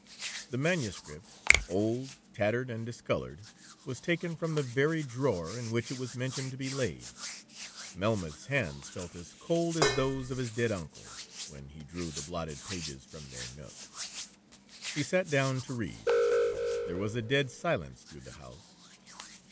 The manuscript, old, tattered, and discoloured, was taken from the very drawer in which it was mentioned to be laid. Melmoth's hands felt as cold as those of his dead uncle, when he drew the blotted pages from their nook. He sat down to read,—there was a dead silence through the house.